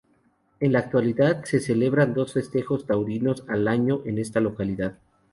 En la actualidad se celebran dos festejos taurinos al año en esta localidad.